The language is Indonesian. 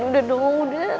udah dong udah